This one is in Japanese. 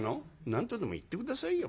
「何とでも言って下さいよ